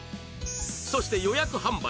そして予約販売